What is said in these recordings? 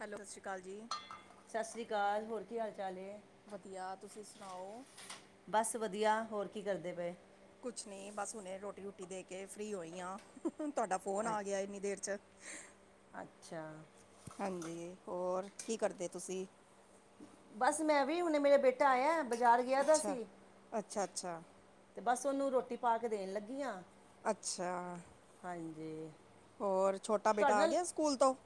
Hello ਸਸ਼ਰੀ ਕਾਲ ਜੀ ਈ ਸਸਰੀ ਕਾਲ ਹੋਰ ਕੀ ਹਾਲ ਚਾਲ ਏ ਵਧੀਆ ਤੁਸੀਂ ਸੁਣਾਓ ਬਸ ਵਧੀਆ ਹੋਰ ਕੀ ਕਰਦੇ ਏ ਪਏ ਓ ਕੁਛ ਨਈ ਬਸ ਹਨ ਰੋਟੀ ਰੂਟੀ ਦੇ ਕੇ ਫਰੀ ਹੋਈਆਂ ਤੁਹਾਡਾ ਫੋਨ ਆ ਗਿਆ ਅੱ- ਇੰਨੀ ਦੇਰ ਚ ਆ ਅੱਛਾ ਆ ਹਾਂਜੀ ਹੋਰ ਆ ਕੀ ਕਰਦੇ ਤੁਸੀਂ ਈ ਬਸ ਮੈਂ ਵੀ ਹੁਣ ਮੇਰਾ ਬੇਟਾ ਆਇਆ ਬਜ਼ਾਰ ਗਿਆ ਦਾ ਅੱਛਾ। ਸੀ ਅੱਛਾ ਅੱਛਾ ਈ ਬਸ ਉਹਨੂੰ ਰੋਟੀ ਪਾ ਕੇ ਦੇਣ ਲੱਗੀ ਏ ਅੱਛਾ ਆ ਹਾਂਜੀ ਈ ਹੋਰ ਛੋਟਾ ਬੇਟਾ ਆ ਗਿਆ ਸਕੂਲ ਤੋਂ ਉ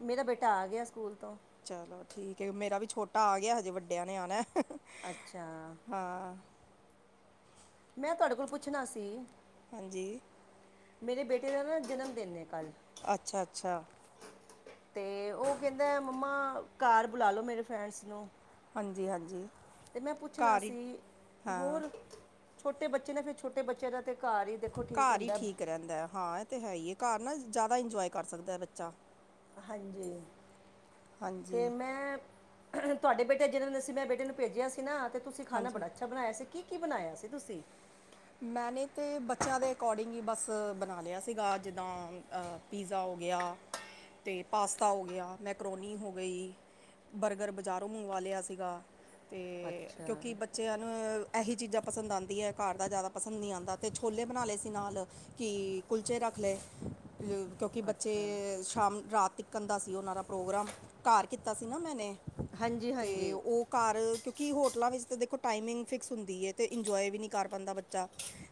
ਮੇਰਾ ਬੇਟਾ ਆ ਗਿਆ ਸਕੂਲ ਤੋਂ ਓ ਚਲੋ ਠੀਕ ਐ ਮੇਰਾ ਵੀ ਛੋਟਾ ਆ ਗਿਆ ਵੱਡਿਆਂ ਨੇ ਆਣਾ ਐ ਅੱਛਾ ਜੀ ਹਾਂ ਆ ਮੈਂ ਤੁਹਾਡੇ ਕੋਲ ਪੁੱਛਣਾ ਸੀ ਈ ਹਾਂਜੀ ਮੇਰੇ ਬੇਟੇ ਦਾ ਨਾ ਜਨਮ ਦਿਨ ਏ ਕੱਲ। ਅੱਛਾ ਅੱਛਾ। ਤੇ ਓ ਕੈਂਦਾ ਏ ਮੰਮਾ, ਘਾਰ ਬੁਲਾ ਲੋ ਮੇਰੇ ਫਰੈਂਡਜ਼ ਨੂੰ। ਹਾਂਜੀ ਹਾਂਜੀ। ਤੇ ਮੈਂ ਪੁੱਛਣਾ ਘਰ ਹੀ ਸੀ, ਹਾਂ ਹੋਰ ਛੋਟੇ ਬੱਚੇ ਨੇ ਫੇਰ ਛੋਟੇ ਬੱਚਿਆਂ ਦਾ ਤੇ ਘਰ ਹੀ ਦੇਖੋ ਘਾਰ ਈ ਹੁੰਦਾ ਹੈ। ਠੀਕ ਰੈਂਦਾ, ਹਾਂ ਏ ਤੇ ਹੈ ਈ ਏ ਘਾਰ ਨਾ ਜ਼ਾਦਾ ਇੰਜੋਏ ਕਰ ਸਕਦਾ ਐ ਬੱਚਾ। ਹਾਂਜੀ ਹਾਂਜੀ ਤੇ ਮੈਂ ਤੁਆਡੇ ਬੇਟੇ ਦਾ ਜਨਮ ਦਿਨ ਸੀ ਨਾ, ਮੈਂ ਬੇਟੇ ਨੂੰ ਭੇਜਿਆ ਸੀ ਨਾ ਤੇ ਤੁਸੀਂ ਖਾਣਾ ਹਾਂਜੀ ਬੜਾ ਅੱਛਾ ਬਣਾਇਆ ਸੀ। ਕੀ ਕੀ ਬਣਾਇਆ ਸੀ ਤੁਸੀਂ। ਮੈਨੇ ਤੇ ਬੱਚਿਆਂ ਦੇ ਅਕੋਡਿੰਗ ਈ ਬਸ ਬਣਾ ਲਿਆ ਸੀਗਾ, ਜਿੱਦਾਂ ਆ ਪੀਜ਼ਾ ਹੋ ਗਿਆ ਤੇ ਪਾਸਤਾ ਹੋ ਗਿਆ, ਮੈਕਰੋਨੀ ਹੋ ਗਈ। ਬਰਗਰ ਬਜ਼ਾਰੋਂ ਮੰਗਵਾ ਲਿਆ ਸੀਗਾ। ਤੇ, ਅੱਛਾ ਕਿਉਂਕਿ ਬੱਚਿਆਂ ਨੂੰ ਐਹੀ ਚੀਜ਼ਾਂ ਪਸੰਦ ਆਦੀਂਆਂ, ਘਰ ਦਾ ਜ਼ਾਦਾ ਪਸੰਦ ਨੀ ਆਂਦਾ ਅਤੇ ਛੋਲੇ ਬਣਾ ਲਏ ਸੀ ਨਾਲ, ਕੀ ਕੁਲਚੇ ਰੱਖ ਲਏ ਕਿਉਂਕਿ ਅੱਛਾ ਬੱਚੇ, ਸ਼ਾਮ ਰਾਤ ਤੀਕਣ ਦਾ ਸੀ ਓਨਾਂ ਦਾ ਪ੍ਰੋਗਰਾਮ। ਘਾਰ ਕੀਤਾ ਸੀ ਨਾ ਮੈਨੇ। ਹਾਂਜੀ ਤੇ ਹਾਂਜੀ ਓ ਘਰ, ਕਿਉਂਕਿ ਹੋਟਲਾਂ ਵਿੱਚ ਤੇ ਦੇਖੋ ਟਾਈਮਿੰਗ ਫਿਕਸ ਹੁੰਦੀ ਏ ਅ ਤੇ ਇੰਜੋਏ ਵੀ ਨੀ ਕਰ ਪਾਂਦਾਂ ਬੱਚਾ। ਚਾ,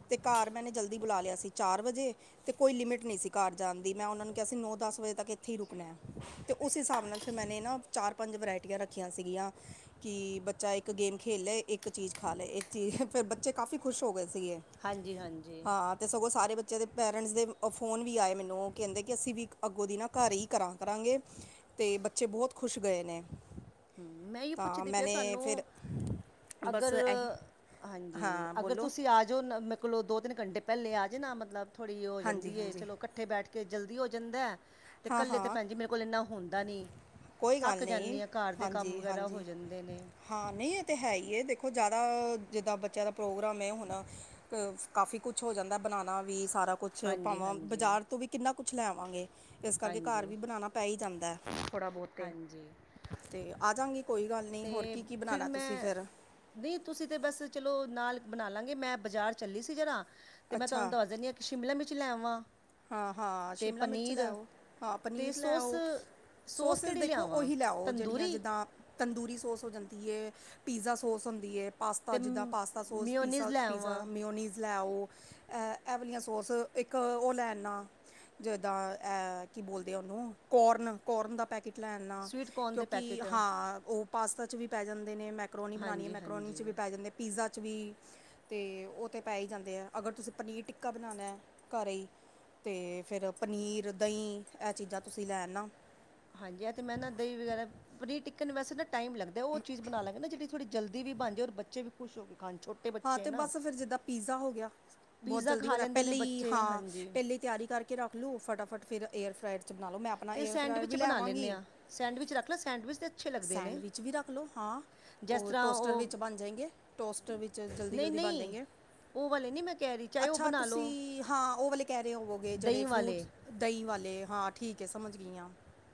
ਤੇ ਘਰ ਮੈਨੇ ਜਲਦੀ ਬੁਲਾ ਲਿਆ ਸੀ ਚਾਰ ਵਜੇ। ਤੇ ਕੋਈ ਲਿਮਿਟ ਨੀ ਸੀ ਘਰ ਜਾਣ ਦੀ, ਮੈਂ ਓਨਾਂ ਨੂੰ ਕਿਆ ਸੀ ਨੌ ਦਸ ਵਜੇ ਤੱਕ ਏਥੇ ਈ ਰੁਕਣਾ ਐ। ਤੇ ਉਸ ਹਿਸਾਬ ਨਾਲ ਫਿਰ ਮੈਨੇ ਨਾ ਚਾਰ ਪੰਜ ਵਰੈਟੀਆਂ ਰੱਖੀਆਂ ਸੀਗੀਆਂ। ਕਿ ਬੱਚਾ ਇੱਕ ਗੇਮ ਖੇਲ ਲੈ ਇੱਕ ਚੀਜ਼ ਖਾ ਲੈ, ਇੱਕ ਚੀਜ਼ ਫੇਰ ਬੱਚੇ ਕਾਫੀ ਖੁਸ਼ ਹੋ ਗਏ ਸੀਗੇ। ਹਾਂਜੀ ਹਾਂਜੀ ਹਾਂ ਤੇ ਸਗੋਂ ਸਾਰੇ ਬੱਚੇ ਦੇ ਪੇਰੈਂਟਸ ਦੇ ਫੋਨ ਵੀ ਆਏ ਮੈਨੂੰ ਓ ਕੈਂਦੇ ਕੀ ਅਸੀਂ ਵੀ ਅੱਗੋਂ ਦੀ ਨਾ ਘਰੇ ਈ ਕਰਾਂ ਕਰਾਂਗੇ, ਤੇ ਬੱਚੇ ਬੋਤ ਖੁਸ਼ ਗਏ ਨੇ। ਹੂੰ ਮੈਂ ਐਈ ਤਾਂ ਪੁੱਛਦੀ ਪੀ ਆ ਮੈਨੇ ਫਿਰ ਤੁਆਨੂੰ ਬਸ ਅਗਰ, ਇਹੀ ਹਾਂਜੀ ਹਾਂ ਅਗਰ ਬੋਲੋ ਤੁਸੀਂ ਆ ਜਾਓ ਮੈਂ ਕੋਲੋ ਦੋ ਤਿੰਨ ਘੰਟੇ ਪੈਲੇ ਆ ਜਨਾ ਮਤਲਬ ਥੋੜੀ ਓ ਹਾਂਜੀ ਜਾਂਦੀ ਏ, ਹਾਂਜੀ ਚਲੋੱ ਕਢ ਕੱਠੇ ਬੈਠ ਕੇ ਜਲਦੀ ਹੋ ਜਾਂਦਾ, ਤੇ ਹਾਂ ਕੱਲੇ ਤੇ ਹਾਂ ਭੈਣ ਜੀ ਮੇਰੇ ਕੋ ਏਨਾ ਹੁੰਦਾ ਨੀ। ਕੋਈ ਗੱਲ ਨਈ, ਹਾਂਜੀ ਹੋ ਹਾਂਜੀ। ਜਾਂਦੇ ਨੇ ਹਾਂ ਨਈ ਏ ਤੇ ਹੈ ਈ ਏ, ਦੇਖੋ ਜ਼ਾਦਾ ਜਿੱਦਾਂ ਬੱਚਿਆਂ ਦਾ ਪ੍ਰੋਗਰਾਮ ਏ ਹੁਣ ਕਫ ਕਾਫੀ ਕੁਛ ਹੋ ਜਾਂਦਾ ਬਣਾਣਾ ਵੀ ਸਾਰਾ ਕੁਛ। ਕੁਛ ਹਾਂਜੀ ਪਾਵਾਂ ਹਾਂਜੀ ਬਾਜ਼ਾਰ ਤੋਂ ਵੀ ਕਿੰਨਾ ਕੁਛ ਲੈਵਾਂਗੇ, ਏਸ ਕਰਕੇ ਘਰ ਹਾਂਜੀ ਵੀ ਬਣਾਣਾ ਪੈ ਈ ਜਾਂਦਾ ਥੋੜ੍ਹਾ ਬੋਤ ਹਾਂਜੀ ਤੇ ਆ ਜਾਗੀਂ ਕੋਈ ਗੱਲ ਨੀ, ਹੋਰ ਕੀ ਕੀ ਬਣਾਣਾ ਤੁਸੀਂ ਫੇਰ। ਦੀ ਤੁਸੀਂ ਤੇ ਬਸ ਚਲੋ ਨਾਲ ਬਣਾ ਲਾਂਗੇ, ਮੈਂ ਬਾਜ਼ਾਰ ਚੱਲੀ ਸੀ ਜਰਾ ਤੇ ਮੈਂ ਤੁੁਆਨੂੰ ਅੱਛਾ ਦੱਸ ਦਿੰਨੀ ਆ ਸ਼ਿਮਲਾ ਮਿਰਚ ਲੈ ਵਾਂ। ਹਾਂ ਹਾਂ ਸ਼ਿਮਲਾ ਮਿਰਚ ਲੈ ਓ, ਹਾਂ ਅਤੇ ਪਨੀਰ ਲੈ ਸੋਸ ਓ। ਸੋਸ ਸੋਸਿਸ ਕਿਹੜੀ ਦੇਖੋ ਲਿਆਵਾਂ ਓਹੀ ਲੈ ਓ ਜੇੜੀਆਂ ਤੰਦੂਰੀ ਜਿੱਦਾਂ ਅਤੇ ਤੰਦੂਰੀ ਸੋਸ ਹੋ ਜਾਂਦੀ ਏ, ਪੀਜ਼ਾ ਸੋਸ ਹੁੰਦੀ ਏ। ਪਾਸਤਾ ਜਿੱਦਾਂ ਪਾਸਤਾ ਸੌਸ, ਮਿਓਨੀਜ਼ ਪੀਸਾ ਲੈ ਪੀਜ਼ਾ, ਆਵਾਂ ਮਿਓਨੀਜ਼ ਲੈ ਓ। ਐ ਐਵਲੀਆਂ ਸੋਰਸ ਇੱਕ ਓ ਲੈ ਨਾ ਜਿਦਾਂ ਐ, ਕੀ ਬੋਲਦੇ ਆ ਓਨੂੰ ਕੋਰਨ ਕੋਰਨ ਦਾ ਪੈਕੇਟ ਲੈਨਾ, ਸਵੀਟ ਕੋਰਨ ਦੇ ਕਿਉਂਕਿ ਪੈਕਟ ਹਾਂ ਓ ਪਾਸਤਾ 'ਚ ਵੀ ਪੈ ਜਾਂਦੇ ਨੇ ਮੈ ਕਰੋਨੀ ਬਣਾਣੀ ਹੈ ਹਾਂਜੀ ਮੈਕਰੋਨੀ ਚ ਹਾਂਜੀ ਵੀ ਪੈ ਜਾਂਦੇ ਪੀਜ਼ਾ 'ਚ ਵੀ, ਅਤੇ ਉਹ ਤੇ ਹੀ ਪੈ ਜਾਂਦੇ ਹੈ, ਅਗਰ ਪਨੀਰ ਟਿੱਕਾ ਬਣਾਣਾ ਘਰ ਹੀ, ਤੇ, ਫਿਰ ਪਨੀਰ ਦਹੀਂ ਇਹ ਚੀਜ਼ਾਂ ਤੁਸੀਂ ਲੈਣ ਅਣਾ ਹਾਂਜੀ ਹੈ ਤੇ ਮੈਂ ਨਾ ਦਹੀਂ ਵਗੈਰਾ ਪਨੀਰ ਟਿਕਣ ਨੂੰ ਵੈਸੇ ਨਾ ਟਾਈਮ ਲੱਗਦਾ ਉਹ ਚੀਜ਼ ਬਣਾ ਲਾਂਗੇ ਜਿੜੀ ਥੋੜ੍ਹੀ ਜਲਦੀ ਵੀ ਬਣ ਜਾ ਔਰ ਬੱਚੇ ਵੀ ਖੁਸ਼ ਹੋ ਕੇ ਖਾਣ ਛ ਹਾਂ ਤੇ ਬਸ ਫਿਰ ਜਿੱਦਾਂ ਪੀਜ਼ਾ ਹੋ ਗਿਆ ਬਹੁਤ ਪੀਜ਼ਾ ਜਲਦੀ ਖਾ ਬਣਾਇਆ ਲੈਂਦੇ ਨੇ ਪਹਿਲੇ ਹੀ ਬੱਚੇ ਹਾਂ ਹਾਂਜੀ ਪਹਿਲੇ ਤਿਆਰੀ ਕਰਕੇ ਰੱਖ ਦੋ ਫਟਾਫਟ ਫਿਰ ਏਅਰ ਫਲਾਈਰ ਪਾ ਲੌ ਮੈ ਅਪੇ ਅਤੇ ਸੈਂਡਵਿਚ ਬਣਾ ਲੈਂਦੇ ਹਾਂ ਸੈਂਡਵਿਚ ਰੱਖ ਲਓ ਸੈਂਡਵਿਚ ਤੇ ਸੈਂਡਵਿਚ ਵੀ ਰੱਖ ਲਓ ਹਾਂ ਜਿਸ ਉਹ ਤਰ੍ਹਾਂ ਟੋਸਟਰ ਵਿੱਚ ਬਣ ਜਾਏਗੇ ਟੋਸਟਰ ਵਿੱਚ ਜਲਦੀ ਨਹੀਂ ਜਲਦੀ ਬਣ ਨਹੀਂ ਜਾਏਗੇ ਉਹ ਵਾਲੇ ਨਹੀਂ ਮੈਂ ਕਹਿ ਰਹੀ ਚਾਹੇ ਉਹ ਅੱਛਾ ਬਣਾ ਲਓ ਤੁਸੀਂ ਹਾਂ ਉਹ ਵਾਲੇੇ ਕਹਿ ਰਹੇ ਹੋਵੋਗੇ ਜਿਹੜੇ ਦਹੀਂ ਫਰੂਟ ਵਾਲੇ ਦਹੀਂ ਵਾਲੇ ਹਾਂ ਠੀਕ ਹੈ ਸਮਝ ਗਈ ਹ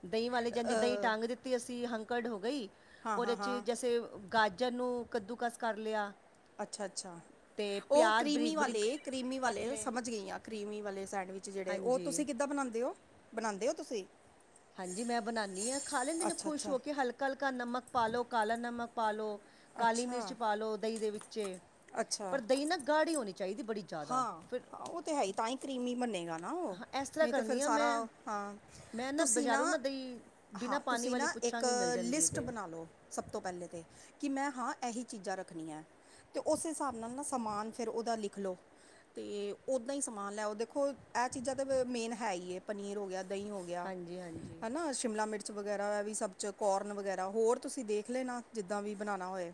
ਦਹੀਂ ਵਾਲੇ ਜਾਂਦੇ ਦਹੀਂ ਟਾਂਗ ਦਿੱਤੀ ਅਸੀਂ ਹੰਕੜ ਹੋ ਗਈ ਹਾਂ ਹਾਂ ਉਹਦੇ ਹਾਂ ਜੈਸੇ ਗਾਜਰ ਨੂੰ ਕੱਦੂਕਸ ਕਰ ਲਿਆ ਅੱਛਾ ਅੱਛਾ। ਅਤੇ ਉਹ ਪਿਆਜ਼ ਬਰੀਕ ਕਰੀਮੀ ਬਰੀਕ ਵਾਲੇ ਕਰੀਮੀ ਕੱਟ ਵਾਲੇ ਲਏ ਸਮਝ ਗਈ ਆ ਕਰੀਮੀ ਵਾਲੇ ਸੈਂਡਵਿਚ ਜਿਹੜੇ ਉਹ ਹਾਂਜੀ ਤੁਸੀਂ ਕੀਦਾ ਬਣਾਉਂਦੇ ਹੋ ਬਣਾਉਂਦੇ ਤੁਸੀਂ ਹਾਂਜੀ ਮੈਂ ਬਣਾਨੀ ਹਾਂ ਖਾ ਲੈਂਦੇ ਨੇ ਅੱਛਾ ਖੁਸ਼ ਅੱਛਾ ਹੋ ਕੇ ਹਲਕਾ ਹਲਕਾ ਨਮਕ ਪਾ ਲ ਲੋ ਕਾਲਾ ਨਮਕ ਪਾ ਲ ਲੋ ਕਾਲੀ ਮਿਰਚ ਅੱਛਾ ਪਾ ਲਓ ਦਹੀਂ ਦੇ ਵਿੱਚ ਅੱਛਾ ਪਰ ਦਈ ਨਾ ਗਾੜੀ ਹੋਣੀ ਚਾਹੀਦੀ ਬੜੀ ਜ਼ਿਆਦਾ ਹਾਂ ਫਿਰ ਉਹ ਤੇ ਹੈ ਹੀ ਤਾਂ ਹੀ ਕਰੀਮੀ ਹੀ ਬਨੇਗਾ। ਉਹ ਹਾਂ ਇਸ ਤਰ੍ਹਾਂ ਨਹੀਂ ਤੇ ਫਿਰ ਕਰਨੀ ਆ ਮੈਂ ਸਾਰਾ ਹਾਂ ਮੈਂ ਤੁਸੀਂ ਨਾ ਬਾਜ਼ਾਰੋਂ ਦਹੀਂ ਬਿਨਾਂ ਹਾਂ ਪਾਣੀ ਤੁਸੀਂ ਵਾਲੀ ਨਾ ਇੱਕ ਪੁੱਛਾਂਗੀ ਮਿਲ ਜਾਂਦੀ ਹੈ ਲਿਸਟ ਤਾਂ ਬਣਾ ਲਉ। ਸਭ ਤੋਂ ਪਹਿਲੇ ਤੇ ਕਿ ਮੈਂ ਹਾਂ ਇਹੀ ਚੀਜ਼ਾਂ ਰੱਖਣੀਆਂ ਅਤੇ ਉਸ ਹਿਸਾਬ ਨਾਲ ਨਾ ਸਮਾਨ ਫਿਰ ਉਹਦਾ ਲਿਖ ਲਓ। ਤੇ ਓਦਾਂ ਹੀ ਸਮਾਨ ਲੈਓ ਦੇਖੋ ਇਹ ਚੀਜ਼ਾਂ ਤਾਂ ਮੇਨ ਹੈ ਹੀ ਹੈ ਪਨੀਰ ਹੋ ਗਿਆ ਦਹੀਂ ਹੋ ਗਿਆ ਹਾਂਜੀ ਹਾਂਜੀ ਹਨਾ ਸ਼ਿਮਲਾ ਮਿਰਚ ਮਿਰਚ ਵਗੈਰਾ ਹੈ ਵੀ ਸਭ ਚ ਕੋਰਨ ਵਗੈਰਾ ਹੋਰ ਤੁਸੀਂ ਦੇਖ ਲੈ ਨਾ ਜਿੱਦਾਂ ਵੀ ਬਣਾਉਣਾ ਹੋਏ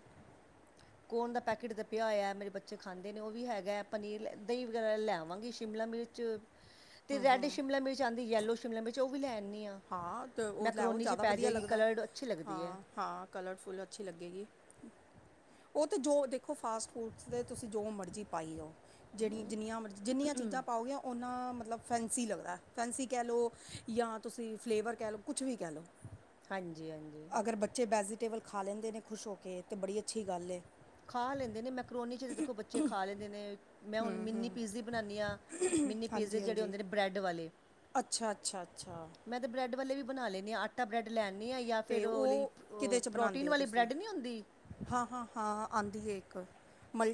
ਕੋਣ ਦਾ ਪੈਕੇਟ ਦਾ ਪਿਆ ਹੋਇਆ ਮੇਰੇ ਬੱਚੇ ਖਾਂਦੇ ਨੇ ਉਹ ਵੀ ਹੈਗਾ ਪਨੀਰ ਦਹੀਂ ਵਗੈਰਾ ਲੈਵਾਂਗੇ ਸ਼ਿਮਲਾ ਮਿਰਚ ਤੇ ਰੈੱਡ ਸ਼ਿਮਲਾ ਮਿਰਚ ਆਉਂਦੀ ਯੈਲੋ ਸ਼ਿਮਲਾ ਮਿਰਚ ਉਹ ਵੀ ਲੈ ਆਨੀ ਹਾਂ ਅਤੇ ਉਹ ਲੈ ਆਓ ਮਾਈਕਰੋਨ'ਚ ਜ਼ਿਆਦਾ ਪੈ ਵਧੀਆ ਜਾਵੇਗੀ ਲੱਗਦਾ ਕਲਰਡ ਅੱਛੀ ਲੱਗਦੀ ਹੈ ਹਾਂ ਹਾਂ ਕਲਰਫੁੱਲ ਅੱਛੀ ਲੱਗੇਗੀ। ਉਹ ਤਾਂ ਜੋ ਦੇਖੋ ਫਾਸਟ ਫੂਡਸ ਤੁਸੀਂ ਜੋ ਮਰਜ਼ੀ ਪਾਈ ਜਾਓ ਜਿਹੜੀ ਜਿੰਨੀਆਂ ਮਰਜ਼ੀ ਜਿੰਨੀਆਂ ਚੀਜ਼ਾਂ ਪਾਓਗੇ ਉਹਨਾ ਮਤਲਬ ਫੈਂਸੀ ਲੱਗਦਾ ਫੈਂਸੀ ਕਹਿ ਲਓ ਜਾਂ ਤੁਸੀਂ ਫਲੇਵਰ ਕਹਿ ਲਓ ਕੁਛ ਵੀ ਕਹਿ ਲਓ। ਹਾਂਜੀ ਹਾਂਜੀ। ਅਗਰ ਬੱਚੇ ਵੈਜੀਟੇਬਲ ਖਾ ਲੈਂਦੇ ਨੇ ਖੁਸ਼ ਹੋ ਕੇ ਤਾਂ ਬੜੀ ਅੱਛੀ ਗੱਲ ਏ ਖਾ ਲੈਂਦੇ ਨੇ ਮੈਕਰੋਨੀ ਚ ਦੇਖੋ ਬੱਚੇ ਖਾ ਲੈਂਦੇ ਨੇ ਮੈਂ ਹੁਣ ਮਿੰਨੀ ਪੀਜ਼ੀ ਬਣਾਨੀ ਹਾਂ। ਮਿੰਨੀ ਪੀਜ਼ੇ ਹਾਂਜੀ ਜਿਹੜੇ ਹਾਂਜੀ ਹੁੰਦੇ ਨੇ ਬਰੈੱਡ ਵਾਲੇ ਅੱਛਾ ਅੱਛਾ ਅੱਛਾ। ਮੈਂ ਤਾਂ ਬਰੈਡ ਵਾਲੇ ਵੀ ਬਣਾ ਲੈਣੀ ਹ ਅੱਠ ਆਟਾ ਬ੍ਰੈਡ ਲੈਨੀ ਹਾਂ ਜਾਂ ਤੇ ਫਿਰ ਉਹ ਲਈ ਕਿਦੇ ਚ ਬਣਾਉਂਦੇ ਪ੍ਰੋਟੀਨ ਹੋ ਵਾਲੀ ਤੁਸੀਂ ਬ੍ਰੈੱਡ ਨਹੀਂ ਹੁੰਦੀ ਹਾਂ ਹਾਂ ਹਾਂ ਆਦੀ ਹੈ ਇੱਕ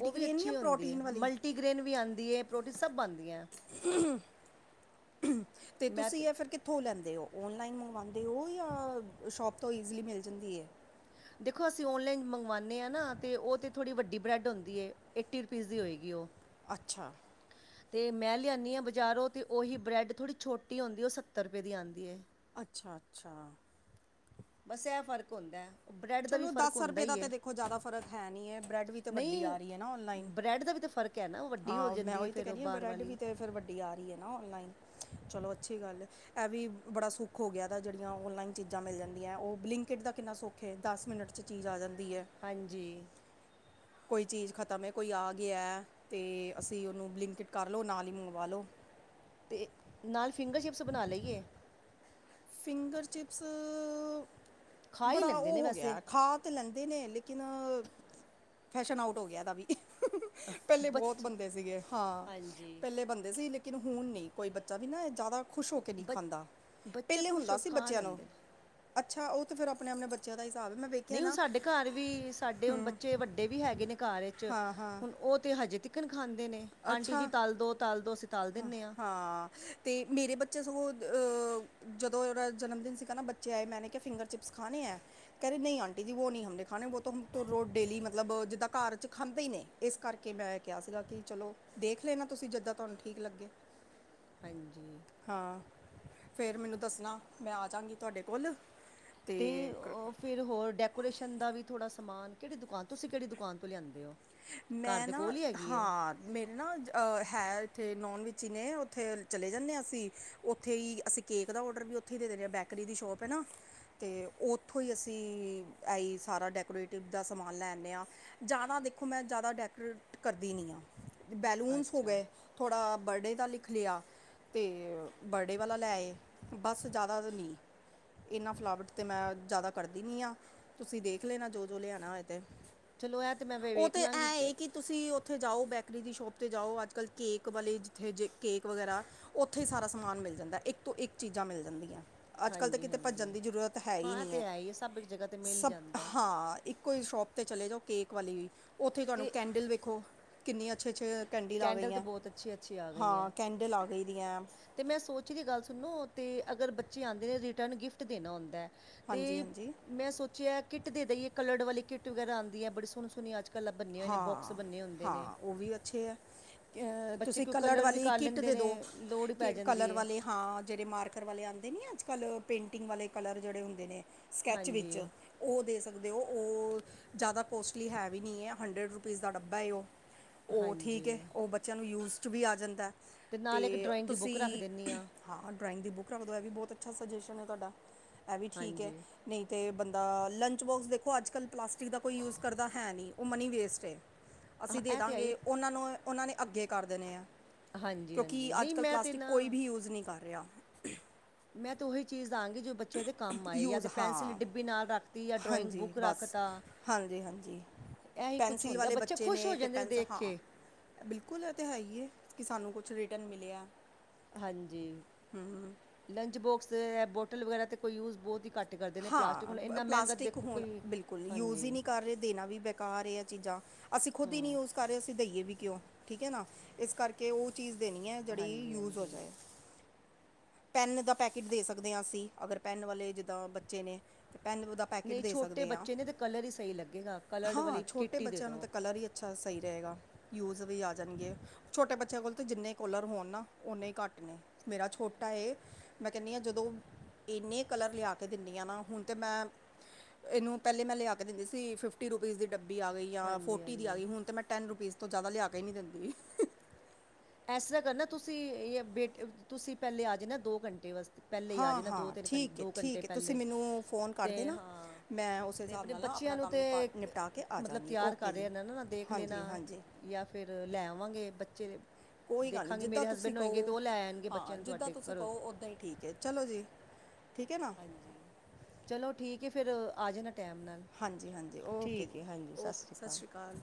ਉਹ ਵੀ ਜਾਂ ਅੱਛੀ ਹੁੰਦੀ ਹੈ ਪ੍ਰੋਟੀਨ ਵਾਲੀ ਮਲਟੀਗ੍ਰੇਨ ਵੀ ਆਦੀ ਹੈ ਪ੍ਰੋਟੀ ਸਭ ਆਦੀ ਏ। ਹੂਆ ਹੁਆ ਤੇ ਤੁਸੀਂ ਇਹ ਫਿਰ ਕਿ ਥੋ ਲੈਂਦੇ ਹੋ ਔਨਲਾਈਨ ਮੰਗਵਾਉਂਦੇ ਹੋ ਜਾ ਸ਼ੋਪ ਤੋਂ ਈਜ਼ਲੀ ਮਿਲ ਜਾਂਦੀ ਏ। ਦੇਖੋ ਅਸੀਂ ਔਨਲਾਈਨ ਮੰਗਵਾਉਂਣੇ ਆ ਨਾ ਉਹ ਤੇ ਥੋੜ੍ਹੀ ਵੱਡੀ ਬ੍ਰੈਡ ਹੁੰਦੀ ਹੈ ਏਟੀ ਰੁਪੀਜ਼ ਦੀ ਹੋਏਗੀ ਓ। ਅੱਛਾ। [inaudible] ਤੇ ਮੈਂ ਲਿਆਣੀ ਆ ਬਜ਼ਾਰੋਂ ਅਤੇ ਉਹੀ ਬਰੈੱਡ ਥੋੜ੍ਹੀ ਛੋਟੀ ਹੁੰਦੀ ਆ ਉਹ ਸੱਤਰ ਰੁਪਏ ਦੀ ਆਦੀ ਐ। ਅੱਛਾ-ਅੱਛਾ। ਬਸ ਇਹ ਫਰਕ ਹੁੰਦਾ। ਬ੍ਰੈਡ ਦਾ ਵੀ ਚਲੋ ਫਰਕ ਦਸ ਹੁੰਦਾ ਰੁਪਏ ਦਾ ਹੀ ਤੇ ਏ ਦੇਖੋ ਜ਼ਿਆਦਾ ਫ਼ਰਕ ਹੈ ਨਹੀ ਹੈ ਬ੍ਰੈਡ ਵੀ ਤਾਂ ਵੱਡੀ ਨਹੀਂ ਆ ਰਹੀ ਹੈ ਨਾ ਆਨਲਾਈਨ। ਬ੍ਰੈਡ ਦਾ ਵੀ ਤਾਂ ਫਰਕ ਹੈ ਨਾ ਉਹ ਵੱਡੀ ਹੋ ਹਾਂ ਮੈਂ ਜਾਂਦੀ ਏ ਉਹੀ ਤੇ ਫਿਰ ਕਹਿ ਉਹ ਰਹੀ ਹੈ ਬਾਹਰ ਬਰੈਡ ਵੀ ਵਾਲੀ ਤੇ ਫਿਰ ਵੱਡੀ ਆ ਰਹੀ ਹੈ ਨਾ ਆਨਲਾਈਨ। ਚਲੋ ਅੱਛੀ ਗੱਲ ਇਹ ਵੀ ਬੜਾ ਸੁੱਖ ਹੋ ਗਿਆ ਦਾ ਜਿਹੜੀਆਂ ਔਨਲਾਈਨ ਚੀਜ਼ਾਂ ਮਿਲ ਜਾਂਦੀਆਂ ਉਹ ਬਲਿੰਕਿਟ ਦਾ ਕਿੰਨਾ ਸੁੱਖ ਤੇ ਦਸ ਮਿੰਨਟ ਚ ਚੀਜ਼ ਆ ਜਾਂਦੀ ਹੈ। ਹਾਂਜੀ। ਕੋਈ ਚੀਜ਼ ਖਤਮ ਹੈ ਕੋਈ ਆ ਗਿਆ ਤੇ ਅਸੀਂ ਉਹਨੂੰ ਬਲਿੰਕਟ ਕਰ ਲਉ ਨਾਲ ਹੀ ਮੰਗਵਾ ਲਉ। ਤੇ, ਨਾਲ ਫਿੰਗਰ ਚਿਪਸ ਬਣਾ ਲਈਏ। ਫਿੰਗਰ ਚਿਪਸ, ਖਾ ਹੀ ਬੜਾ ਲੈਂਦੇ ਉਹ ਨੇ ਹੋ ਗਿਆ ਵੈਸੇ ਖਾ ਤੇ ਲੈਂਦੇ ਨੇ ਲੇਕਿਨ, ਫੈਸ਼ਨ ਆਊਟ ਹੋ ਗਿਆ ਇਹਨਾਂ ਦਾ ਵੀ ਪਹਿਲੇ ਬਹੁਤ ਬੱਚੇ ਬਣਦੇ ਸੀਗੇ ਹਾਂ, ਹਾਂਜੀ ਪਹਿਲੇ ਬਣਦੇ ਸੀ ਲੇਕਿਨ ਹੁਣ ਨੀ ਕੋਈ ਬੱਚਾ ਵੀ ਨਾ ਜ਼ਿਆਦਾ ਖ਼ੁਸ਼ ਹੋ ਕੇ ਨਹੀ ਬੱਚ ਖਾਂਦਾ। ਬੱਚੇ ਪਹਿਲੇ ਖੁਸ਼ ਹੁੰਦਾ ਹੋ ਕੇ ਸੀ ਖਾ ਬੱਚਿਆਂ ਨੂੰ, ਲੈਂਦੇ ਨੇ ਅੱਛਾ ਉਹ ਤੇ ਫੇਰ ਆਪਣੇ-ਆਪਣੇ ਬੱਚਿਆਂ ਦਾ ਹਿਸਾਬ ਆ ਮੈਂ ਵੇਖਿਆ ਨਹੀ ਹੁਣ ਨਾ ਸਾਡੇ ਘਰ ਵੀ ਸਾਡੇ ਹੁਣ ਬੱਚੇ ਵੱਡੇ ਵੀ ਹੈਗੇ ਨੇ ਘਰ ਵਿੱਚ ਹਾਂ ਹਾਂ ਹੁਣ ਉਹ ਤੇ ਹਜੇ ਤਿਕ ਚਿਕਨ ਖਾਂਦੇ ਨੇ ਆਂਟੀ ਜੀ ਤਲ ਦੋ ਤਲ ਦੋ ਤਲ ਹ ਦਿੰਨੇ ਆ ਹਾਂ ਤੇ ਮੇਰੇ ਬੱਚੇ ਸਗੋਂ ਅ, ਜਦੋਂ ਉਹਦਾ ਜਨਮਦਿਨ ਸੀ ਗਾ ਨਾ ਬੱਚੇ ਆਏ ਮੈਂ ਨੇ ਕਿਹਾ ਫਿੰਗਰ ਚਿਪ ਖਾਣੇ ਐ। ਕਹਿੰਦੇ ਨਹੀ ਆਂਟੀ ਜੀ ਬੋ ਨਹੀ ਹਮਨੇ ਖਾਣੇ ਬੋ ਰੋ ਮਤਲਬ ਜਿੱਦਾਂ ਘਰ ਚ ਖਾਂਦੇ ਹੀ ਨੇ। ਇਸ ਕਰਕੇ ਮੈਂ ਕਿਹਾ ਸੀ ਗਾ ਕਿ ਚਲੋ ਦੇਖ ਲੈਣਾ ਤੁਸੀਂ ਜਿੱਦਾ ਤੁਹਾਨੂੰ ਠੀਕ ਲੱਗੇ। ਹਾਂਜੀ। ਹਾਂ, ਫਿਰ ਮੇਨੂੰ ਦੱਸਣਾ ਮੈਂ ਆ ਜਾਵਾਂਗੀ ਤੁਹਾਡੇ ਕੋਲ। ਤੇ ਓ ਫਿਰ ਹੋਰ ਡੈਕੋਰੇਸ਼ਨ ਦਾ ਵੀ ਥੋੜਾ ਸਮਾਨ ਕਿਹੜੀ ਦੁਕਾਨ ਤੁਸੀਂ ਕਿਹੜੀ ਦੁਕਾਨ ਤੋਂ ਲਿਆਂਦੇ ਹੋ? ਘਰ ਮੈਂ ਦੇ ਨਾ, ਕੋਲ ਹੀ ਹੈਗੀ ਹੈ ਹਾਂ। ਮੇਰੇ ਨਾ ਅ ਹੈ ਤੇ ਨੋਨ ਵਿੱਚ ਹੀ ਨੇ ਉੱਥੇ ਚਲੇ ਜਾਣੇ ਆ ਅਸੀਂ ਉੱਥੇ ਹੀ ਇੱਕ ਸਿ ਕੇਕ ਦਾ ਔਡਰ ਵੀ ਉੱਥੇ ਹੀ ਦੇ ਦਿੰਨੇ ਆ ਬੈਕਰੀ ਦੀ ਸ਼ੋਪ ਹੈ ਨਾ। ਤੇ ਉੱਥੋਂ ਹੀ ਅਸੀਂ ਐਈ ਸਾਰਾ ਡੈਕੋਰੇਟਿਵ ਦਾ ਸਮਾਨ ਲੈਣੇ ਆ। ਜ਼ਿਆਦਾ ਦੇਖੋ ਮੈਂ ਜ਼ਿਆਦਾ ਡੈਕੋਰੇਟ ਕਰਦੀ ਨਹੀਂ ਆ ਬੈਲੂਨਸ ਹੋ ਅੱਛਾ ਗਏ। ਥੋੜਾ ਬਰਥਡੇ ਦਾ ਲਿਖ ਲਿਆ। ਤੇ ਬਰਡੇ ਵਾਲਾ ਲੈ ਆਈ, ਬਸ ਜਿਆਦਾ ਨੀ। ਇਹਨਾ ਫਿਲਾਵਟ ਤੇ ਮੈਂ ਜ਼ਿਆਦਾ ਕਰਦੀ ਨੀ ਆ ਤੁਸੀਂ ਦੇਖ ਲੈਣਾ ਜੋ-ਜੋ ਲਿਆਣਾ ਹੋਏ ਤੇ, ਚਲੋ ਇਹ ਤੇ ਮੈਂ ਉਹ ਵੇਖ ਤਾਂ ਲਾਂਗੀ ਐ ਤੇ ਏ ਕਿ ਤੁਸੀਂ ਉਥੇ ਜਾਓ ਬੈਕਰੀ ਦੀ ਸ਼ੋਪ ਤੇ ਜਾਓ ਅੱਜ-ਕੱਲ ਕੇਕ ਵਾਲੇ ਜਿੱਥੇ ਕੇਕ ਵਗੈਰਾ ਉੱਥੇ ਹੀ ਸਾਰਾ ਸਮਾਨ ਮਿਲ ਜਾਂਦਾ ਇੱਕ ਤੋਂ ਇੱਕ ਚੀਜ਼ਾਂ ਮਿਲ ਜਾਂਦੀਆ। ਅੱਜ-ਕੱਲ ਤਾਂ ਹਾਂਜੀ ਕਿਤੇ ਹਾਂਜੀ ਭੱਜਣ ਦੀ ਜ਼ਰੂਰਤ ਹੈ ਹੀ ਹਾਂ ਇਹ ਨੀ ਤੇ ਐ, ਹੈ ਹੀ ਹੈ, ਸਭ ਇੱਕ ਜਗ੍ਹਾ ਤੇ ਮਿਲ ਸਭ ਜਾਂਦਾ ਹੈ। ਹਾਂ। ਇੱਕੋ ਹੀ ਸ਼ੋਪ ਤੇ ਚਲੇ ਜਾਓ ਕੇਕ ਵਾਲੀ ਵੀ ਉੱਥੇ ਤੁਹਾਨੂੰ ਤੇ ਕੈਂਡਲ ਵੇਖੋ ਕਿੰਨੇ ਅੱਛੇ-ਅੱਛੇ, ਕੰਡੀਲ ਆ ਕੈਂਡਲ ਤਾਂ ਗੀਆਂ ਬਹੁਤ ਅੱਛੀ ਅੱਛੀ ਆ ਗਈਆਂ ਹਾਂ ਹੈ। ਕੈਂਡਲ ਆ ਗਈ ਦੀ ਆ। ਤੇ ਮੈਂ ਸੋਚ ਕੇ ਗੱਲ ਸੁਨੋ ਤੇ ਅਗਰ ਬੱਚੇ ਆਂਦੇ ਨੇ ਰਿਟਰਨ ਗਿਫਟ ਦੇਣਾ ਹੁੰਦੈ ਤੇ ਹਾਂਜੀ ਹਾਂਜੀ ਮੈਂ ਸੋਚਿਆ ਕਿੱਟ ਦੇ ਦਈਏ ਕਲਰਡ ਵਾਲੀ ਕਿੱਟ ਵਗੈਰਾ ਆਂਦੀ ਐ ਬੜੀ ਸੋਣੀ-ਸੋਣੀ ਅੱਜ ਕੱਲ੍ਹ ਬੰਨੇ ਹੋਏ ਨੇ ਬੋਕਸ ਬੰਨੇ ਹੁੰਦੇ ਨੇ ਹਾਂ-ਹਾਂ ਓ ਵੀ ਅੱਛੇ ਐ। ਅ ਬੱਚੇ ਤੁਸੀਂ ਕੋਈ ਕਲਰਡ ਕਲਰ ਵੀ ਵਾਲੀ ਕਰ ਕਿੱਟ ਲੈਂਦੇ ਦੇ ਨੇ ਦੋ ਲੋੜ ਹੀ ਪੈ ਕਿ ਜਾਂਦੀ ਕਲਰ ਹੈ ਵਾਲੇ ਹਾਂ ਜੇੜੇ ਮਾਰਕਰ ਵਾਲੇ ਆਂਦੇ ਨੀ ਅੱਜ-ਕੱਲ ਪੇਂਟਿੰਗ ਵਾਲੇ ਕਲਰ ਜੇੜੇ ਹੁੰਦੇ ਨੇ ਸਕੈੱਚ ਵਿੱਚ ਹਾਂਜੀ ਓ ਦੇ ਸਕਦੇ ਓ-ਓ ਜਾਦਾ ਕੋਸਟਲੀ ਹੈ ਵੀ ਨੀ ਐ ਹੰਡਰਡ ਰੁਪੀਜ਼ ਦਾ ਡੱਬਾ ਏ ਓ ਓ ਠੀਕ ਹਾਂਜੀ ਏ ਓ ਬੱਚਿਆਂ ਨੂੰ ਯੂਜ਼ਡ ਚ ਵੀ ਆ ਜਾਂਦੈ। ਨਾਲ ਇੱਕ ਤੇ ਡਰਾਇੰਗ ਦੀ ਤੁਸੀ ਬੁੱਕ ਰੱਖ ਦਿੰਦੀ ਹਾਂ ਡਰਾਇੰਗ ਦੀ ਬੁੱਕ ਰੱਖ ਦੋ ਐ ਵੀ ਬੋਤ ਅੱਛਾ ਸੁਜੈਸ਼ਨ ਐ ਤੁਹਾਡਾ ਐ ਵੀ ਠੀਕ ਐ। ਹਾਂਜੀ ਨਈ ਤੇ ਬੰਦਾ ਲੰਚਬੋਕਸ ਦੇਖੋ ਅੱਜ-ਕੱਲ੍ਹ ਪਲਾਸਟਿਕ ਦਾ ਕੋਈ ਯੂਜ ਕਰਦਾ ਹੈਨੀ ਓ ਮਨੀ ਵੇਸਟ ਏ। ਆਹ ਅਸੀਂ ਦੇ ਇਹ ਤਾਂ ਆਈ ਦਾਂਗੇ ਓਨਾਂ ਨੂੰ ਓਨਾਂ ਨੇ ਅੱਗੇ ਕਰ ਦੇਣੇ ਐ। ਹਾਂਜੀ ਕਿਉਂਕੀ ਹਾਂਜੀ ਨਹੀਂ ਅੱਜ-ਕੱਲ੍ਹ ਮੈਂ ਤਾਂ ਪਲਾਸਟਿਕ ਨਾ ਕੋਈ ਬੀ ਯੂਜ ਨੀ ਕਰ ਰਿਆ। ਮੈਂ ਤਾਂ ਓਹੀ ਚੀਜ਼ ਦਾਂਗੀ ਜੋ ਬੱ ਚਿਆ ਦੇ ਕੰਮ ਆਏ ਯਾਂ ਯੂਜ਼ ਤੇ ਪੈਨਸਿਲ ਹਾਂ ਡਿੱਬੀ ਨਾਲ ਰੱਖਤੀ ਯਾਂ ਡਰਾਇੰਗ ਹਾਂਜੀ ਬੁੱਕ ਰੱਖ ਬਸ ਤਾ ਹਾਂਜੀ ਹਾਂਜੀ ਐਹੀ ਕੁਛ ਪੈਨਸਿਲ ਹੁੰਦੈ ਵਾਲੇ ਬੱਚੇ ਖੁਸ਼ ਹੋ ਜਾਂਦੇ ਨੇ ਦੇਖ ਕੇ। ਬਿਲਕੁੱਲ ਐ ਤੇ ਹੈ ਈ ਏ ਕੀ ਸਾਨੂੰ ਕੁਛ ਰਿਟਰਨ ਮਿਲਿਆ ਹਾਂਜੀ ਲੰਚ ਬੋਕਸ ਐ ਬੋਟਲ ਵਗੈਰਾ ਤਾਂ ਕੋਈ ਯੂਜ਼ ਬੋਤ ਈ ਘੱ ਹਾਂ ਪਲਾਸਟਿਕ ਹੁਣ ਬਿਲਕੁਲ ਯੂਜ਼ ਹਾਂਜੀ ਈ ਨੀ ਕਰ ਰੇ ਦੇਣਾ ਵੀ ਬੇਕਾਰ ਐ ਚੀਜ਼ਾਂ। ਅਸੀਂ ਖੁਦ ਈ ਨੀ ਹਾਂ ਯੂਜ ਕਰ ਰੇ ਅਸੀਂ ਦਈਏ ਵੀ ਕਿਉਂ ਠੀਕ ਐ ਨਾ ਇਸ ਕਰ ਕੇ ਓ ਚੀਜ਼ ਦੇਣੀ ਐ ਜੇੜੀ ਹਾਂਜੀ ਯੂਜ਼ ਹੋ ਹਾਂਜੀ ਜਾਏ। ਪੈੱਨ ਦਾ ਪੈਕੇਟ ਦੇ ਸਕਦੇ ਆ ਅਸੀਂ ਅਗਰ ਪੈੱਨ ਵਾਲੇ ਜਿੱਦਾਂ ਬੱਚੇ ਨੇ ਤੇ ਪੈੱਨ ਦਾ ਪੈਕਟ ਨਹੀਂ ਦੇ ਛੋਟੇ ਸਕਦੇ ਆ ਬੱਚੇ ਨੇ ਤੇ ਕਲਰ ਹੀ ਸਹੀ ਲੱਗੇਗਾ ਕਲਰਡ ਹਾਂ ਵਾਲੀ ਛੋਟੇ ਕਿੱਟ ਹੀ ਦੇ ਬੱਚਿਆਂ ਨੂੰ ਦਿਉ ਤਾਂ ਕਲਰ ਈ ਅੱ ਛਾ ਸਈ ਰਏਗਾ। ਯੂਜ ਵੀ ਆ ਜਾਣਗੇ ਛੋਟੇ ਬੱਚਿਆਂ ਕੋਲ ਤਾਂ ਜਿੰਨੇ ਕੋਲਰ ਹੋਣ ਨਾ ਓਨੇ ਈ ਘੱਟ ਨੇ। ਮੇਰਾ ਛੋਟਾ ਏ ਮੈਂ ਕੈਨੀਆ ਜਦੋਂ ਇੰਨੇ ਕਲਰ ਲਿਆ ਕੇ ਦਿੰਨੀ ਆਂ ਨਾ ਹੁਣ ਤੇ ਮੈਂ ਏਨੂੰ ਪੈਲੇ ਮੈਂ ਲਿਆ ਕੇ ਦਿੰਦੀ ਸੀ ਫਿਫਟੀ ਰੁਪੀਜ਼ ਦੀ ਡੱਬੀ ਆ ਗਈ ਯਾਂ ਹਾਂਜੀ ਫੋਟੀ ਦੀ ਹਾਂਜੀ ਆਗੀ ਹੁਣ ਤੇ ਮੈਂ ਟੈਨ ਰੁਪੀਜ਼ ਤੋਂ ਜਾਦਾ ਲਿਆ ਕੇ ਨੀ ਦਿੰਦੀ। ਐਸਾ ਤਰ੍ਹਾਂ ਕਰਨਾ ਤੁਸੀਂ ਜ ਬ ਤੁਸੀਂ ਪੈਲੇ ਆ ਜਾਣਾ ਦੋ ਘੰਟੇ ਵਾਸਤੇ ਪੈਲੇ ਈ ਆ ਹਾਂ ਜਾਣਾ ਹਾਂ ਦੋ ਤਿੰਨ ਘੰਟ ਠੀਕ ਹੈ ਦੋ ਘੰਟੇ ਠੀਕ ਹੈ ਤੁਸੀਂ ਪੈਲੇ ਮੈਨੂੰ ਫੋਨ ਕਰ ਤੇ ਦੇਣਾ ਹਾਂ ਮੈਂ ਉਸੇ ਤੇ ਹਿਸਾਬ ਆਪਣੇ ਨਾਲ ਨਾ ਬੱਚਿਆ ਆਪਣਾ ਨੂੰ ਕੰਮ ਤੇ ਨਿਪਾ ਨਿਪਟਾ ਕੇ ਆ ਮਤਲਬ ਜਾਵਾਂਗੀ ਤਿਆਰ ਕਰ ਓਕੇ ਜੀ ਰਿਆ ਨਾ-ਨਾ ਦੇਖ ਲੇਣਾ ਹਾਂਜੀ ਹਾਂਜੀ ਯਾਂ ਫੇਰ ਲੈ ਆਵਾਂਗੇ ਬੱਚੇ ਕੋਈ ਗੱਲ ਨੀ ਦੇਖਾਂਗੇ ਜਿੱਦਾਂ ਮੇਰੇ ਤੁਸੀਂ ਹਸਬੈਂਡ ਹੋਏਗੇ ਅਤੇ ਕਓ ਉਹ ਲੈ ਆਉਣਗੇ ਹਾਂ ਬੱਚਿਆਂ ਨੂੰ ਜਿੱਦਾਂ ਤੁਹਾਡੇ ਤੁਸੀਂ ਘਰੋਂ ਕਓ ਉੱਦਾਂ ਈ ਠੀਕ ਐ ਚਲੋ ਜੀ। ਠੀਕ ਐ ਨਾ। ਹਾਂਜੀ ਚਲੋ ਠੀਕ ਐ ਫਿਰ ਆ ਜਾਣਾ ਟੈਮ ਨਾਲ। ਹਾਂਜੀ-ਹਾਂਜੀ ਓਕੇ ਠੀਕ ਹੈ ਹਾਂਜੀ ਜੀ ਸਤਿ ਓਕੇ ਸ਼੍ਰੀ ਅਕਾਲ ਸਸਰੀ ਕਾਲ।